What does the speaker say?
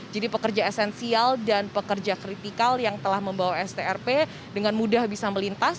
jadi pekerja esensial dan pekerja kritikal yang telah membawa strp dengan mudah bisa melintas